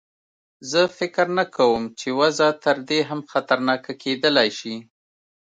زه فکر نه کوم چې وضع تر دې هم خطرناکه کېدلای شي.